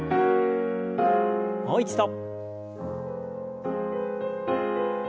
もう一度。